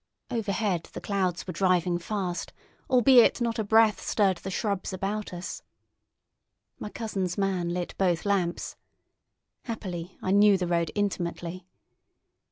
Overhead the clouds were driving fast, albeit not a breath stirred the shrubs about us. My cousins' man lit both lamps. Happily, I knew the road intimately.